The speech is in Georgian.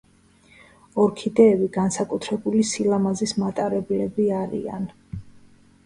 ორქიდეები განსაკუთრებული სილამაზის მატარებლები არიან.